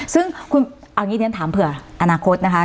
ซึ่งคุณเอาอย่างนี้เรียนถามเผื่ออนาคตนะคะ